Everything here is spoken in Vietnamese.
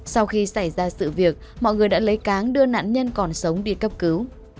sau khi xảy ra sự việc mọi người đã lấy cáng đưa nạn nhân còn sống đi cấp cứu